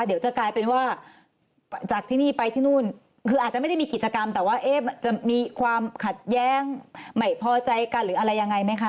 เดี๋ยวจะกลายเป็นว่าจากที่นี่ไปที่นู่นคืออาจจะไม่ได้มีกิจกรรมแต่ว่าจะมีความขัดแย้งไม่พอใจกันหรืออะไรยังไงไหมคะ